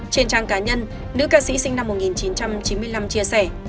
trên trang cá nhân nữ ca sĩ sinh năm một nghìn chín trăm chín mươi năm chia sẻ